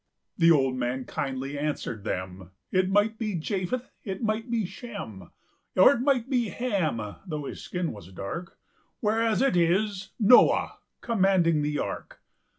The old man kindly answered them:"It might be Japheth, it might be Shem, Or it might be Ham (though his skin was dark),Whereas it is Noah, commanding the Ark.